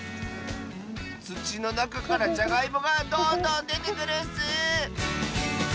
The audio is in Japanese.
つちのなかからじゃがいもがどんどんでてくるッス！